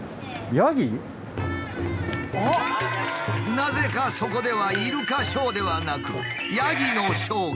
なぜかそこではイルカショーではなくヤギのショーが。